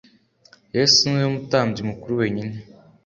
yesu ni we mutambyi mukuru wenyine